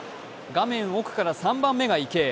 画面奥から３番目が池江。